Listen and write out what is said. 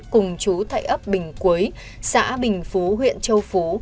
cùng chú thại ấp bình quấy xã bình phú huyện châu phú